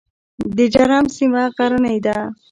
د جرم سیمه غرنۍ ده